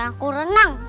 kan aku renang